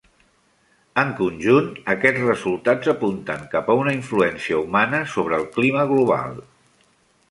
En conjunt, aquests resultats apunten cap a una influència humana sobre el clima global.